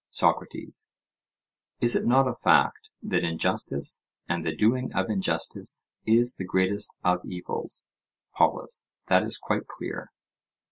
SOCRATES: Is it not a fact that injustice, and the doing of injustice, is the greatest of evils? POLUS: That is quite clear.